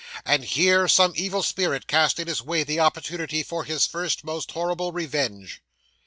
And here, some evil spirit cast in his way the opportunity for his first, most horrible revenge.